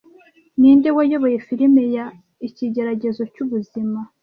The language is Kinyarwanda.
Ninde wayoboye film ya Ikigeragezo cy'ubuzima